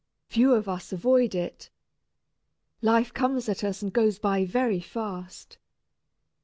Few of us avoid it. Life comes at us and goes by very fast.